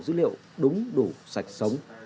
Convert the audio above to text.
dữ liệu đúng đủ sạch sống